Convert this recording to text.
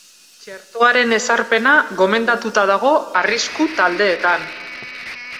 Txertoaren ezarpena gomendatuta dago arrisku-taldeetan.